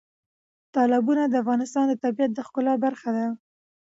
تالابونه د افغانستان د طبیعت د ښکلا برخه ده.